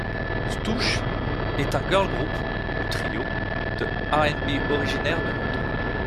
Stooshe est un girl group, ou trio, de R&B originaire de Londres.